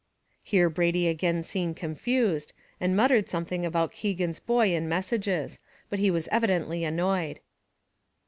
Here Brady again seemed confused, and muttered something about Keegan's boy and messages: but he was evidently annoyed.